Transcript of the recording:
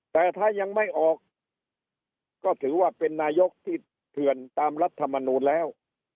แต่ถ้ายังไม่ออกก็ถือว่าเป็นนายกที่เถื่อนตามรัฐมนูลแล้ว